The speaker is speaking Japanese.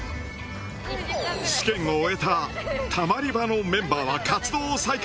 試験を終えたたまり場のメンバーは活動を再開。